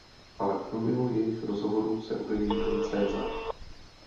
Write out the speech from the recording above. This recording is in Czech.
Ale v průběhu jejich rozhovoru se objeví don César.